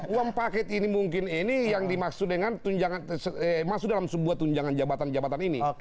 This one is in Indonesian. uang paket ini mungkin ini yang dimaksud dengan masuk dalam sebuah tunjangan jabatan jabatan ini